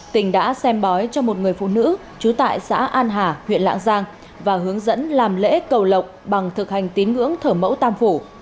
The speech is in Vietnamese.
tỉnh đã xem bói cho một người phụ nữ trú tại xã an hà huyện lạng giang và hướng dẫn làm lễ cầu lộc bằng thực hành tín ngưỡng thở mẫu tam phủ